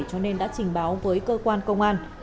cho nên đã trình báo với cơ quan công an